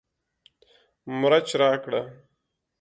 مرچ راکړه